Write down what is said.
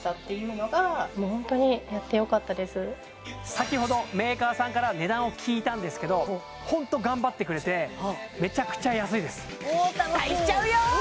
先ほどメーカーさんから値段を聞いたんですけどホント頑張ってくれておお楽しみ期待しちゃうよ